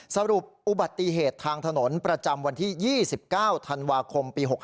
สรุปอุบัติเหตุทางถนนประจำวันที่๒๙ธันวาคมปี๖๕